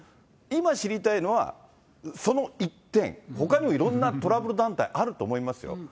今、知りたいのはその一点、ほかにもいろんなトラブル団体あると思いますよ。